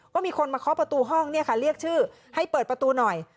ว่ามีคนมาเคาะประตูห้องเรียกชื่อให้เปิดประตูหน่อย